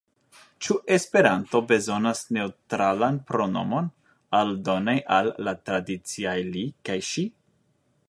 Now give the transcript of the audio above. Ĉu Esperanto bezonas neŭtralan pronomon, aldone al la tradiciaj li kaj ŝi?